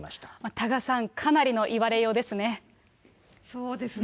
多賀さん、かなりの言われようですね。